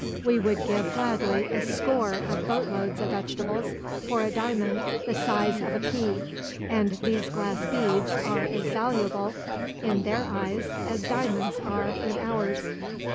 We would give, gladly, a score of boatloads of vegetables for a diamond the size of a pea; and these glass beads are as valuable, in their eyes, as diamonds are in ours."